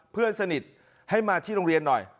เพื่อนสนิทให้มาที่โรงเรียนหน่อย